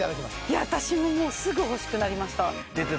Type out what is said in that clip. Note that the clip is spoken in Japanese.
いや私ももうすぐ欲しくなりました。